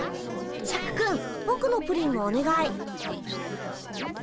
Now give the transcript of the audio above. シャクくんぼくのプリンもおねがい。